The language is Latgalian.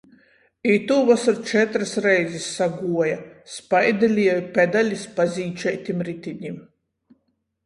Itūvosor četrys reizis saguoja, — spaidelieju pedalis pažīčeitim ritinim.